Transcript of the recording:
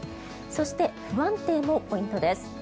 そして、不安定もポイントです。